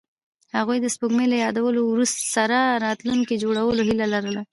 هغوی د سپوږمۍ له یادونو سره راتلونکی جوړولو هیله لرله.